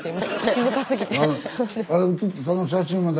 静かすぎて。